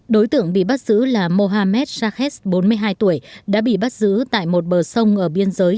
đối tượng bị bắt giữ là mohamed shahed bốn mươi hai tuổi đã bị bắt giữ tại một bờ sông ở biên giới